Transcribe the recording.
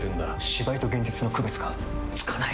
芝居と現実の区別がつかない！